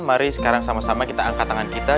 mari sekarang sama sama kita angkat tangan kita